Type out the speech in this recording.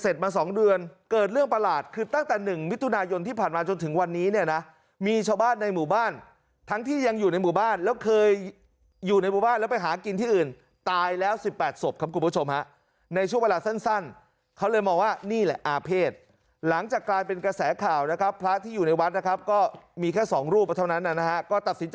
มา๒เดือนเกิดเรื่องประหลาดคือตั้งแต่๑มิถุนายนที่ผ่านมาจนถึงวันนี้เนี่ยนะมีชาวบ้านในหมู่บ้านทั้งที่ยังอยู่ในหมู่บ้านแล้วเคยอยู่ในหมู่บ้านแล้วไปหากินที่อื่นตายแล้ว๑๘ศพครับคุณผู้ชมฮะในช่วงเวลาสั้นเขาเลยมองว่านี่แหละอาเภษหลังจากกลายเป็นกระแสข่าวนะครับพระที่อยู่ในวัดนะครับก็มีแค่สองรูปเท่านั้นนะฮะก็ตัดสิน